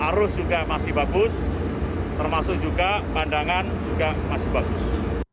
arus juga masih bagus termasuk juga pandangan juga masih bagus